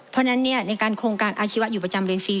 เพราะฉะนั้นในการโครงการอาชีวะอยู่ประจำเรียนฟรี